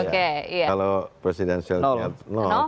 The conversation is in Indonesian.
kalau presidensialnya